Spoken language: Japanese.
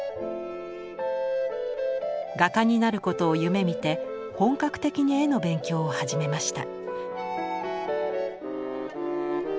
画家になることを夢みて本格的に絵の勉強を始めました。